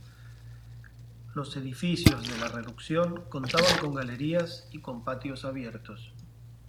Los edificios de la Reducción contaban con galerías y con patios abiertos.